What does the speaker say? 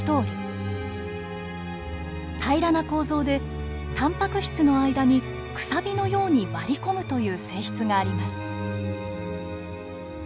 平らな構造でたんぱく質の間にくさびのように割り込むという性質があります。